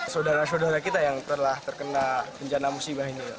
saudara saudara kita yang telah terkena bencana musibah ini